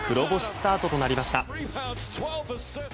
スタートとなりました。